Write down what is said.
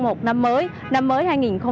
một năm mới năm mới hai nghìn hai mươi